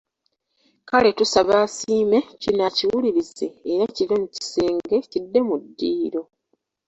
Kale tusaba asiime, kino akiwulirize era kive mu kisenge, kidde mu ddiiro.